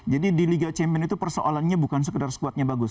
jadi di liga champions itu persoalannya bukan sekedar skuadnya bagus